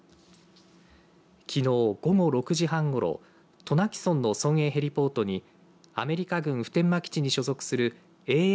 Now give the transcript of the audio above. きのう午後６時半ごろ渡名喜村の村営ヘリポートにアメリカ軍普天間基地に所属するＡＨ